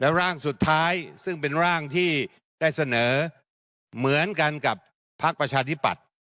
ร่างสุดท้ายซึ่งเป็นร่างที่ได้เสนอเหมือนกันกับพักประชาธิปัตย์